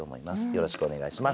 よろしくお願いします。